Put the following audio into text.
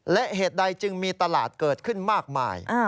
และเหตุใดจึงมีตลาดเกิดขึ้นมากมาย